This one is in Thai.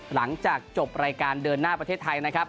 หลังจากจบรายการเดินหน้าประเทศไทยนะครับ